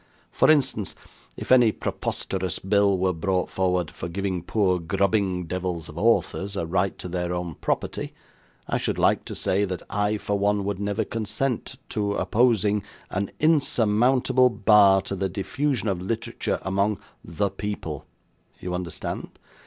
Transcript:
For instance, if any preposterous bill were brought forward, for giving poor grubbing devils of authors a right to their own property, I should like to say, that I for one would never consent to opposing an insurmountable bar to the diffusion of literature among THE PEOPLE, you understand?